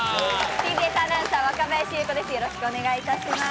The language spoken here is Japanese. ＴＢＳアナウンサー若林有子です